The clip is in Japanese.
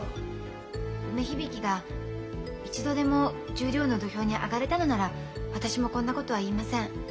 梅響が一度でも十両の土俵に上がれたのなら私もこんなことは言いません。